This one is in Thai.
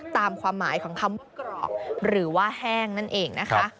ตามความหมายของคำกรอกหรือว่าแห้งนั่นเองนะคะ